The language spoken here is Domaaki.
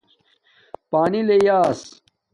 پانی لی ایس